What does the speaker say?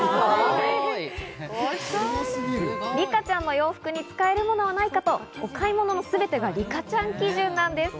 リカちゃんの洋服に使えるものはないかと、お買い物のすべてがリカちゃん基準なんです。